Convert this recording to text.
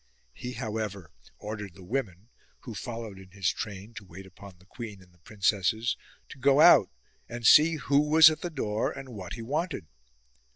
He however ordered the women (who followed in his train to wait upon the queen and the princesses) to go out and see who was at the door and what he wanted.